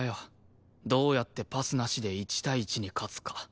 どうやってパスなしで１対１に勝つか。